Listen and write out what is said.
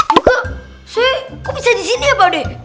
juga saya kok bisa disini ya pak dek